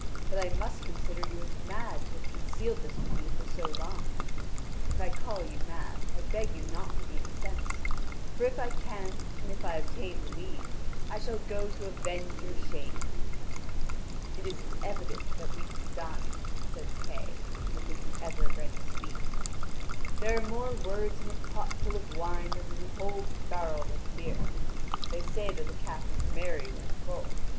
But I must consider you as mad to have concealed this from me so long. If I call you mad, I beg you not to be incensed. For if I can, and if I obtain the leave, I shall go to avenge your shame." "It is evident that we have dined," says Kay, with his ever ready speech; "there are more words in a pot full of wine than in a whole barrel of beer. They say that a cat is merry when full.